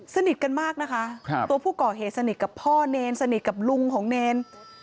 สนิทกันมากนะคะตัวผู้ก่อเหตุสนิทกับพ่อเนรสนิทกับลุงของเนร